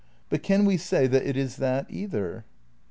But can we say that it is that either?